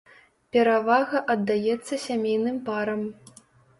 Перавага аддаецца сямейным парам.